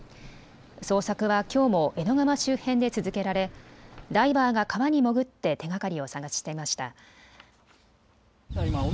捜索はきょうも江戸川周辺で続けられダイバーが川に潜って手がかりを捜していました。